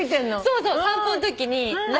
そうそう散歩のときに。